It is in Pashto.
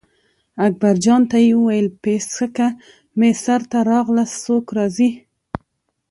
اکبرجان ته یې وویل پیڅکه مې سر ته راغله څوک راځي.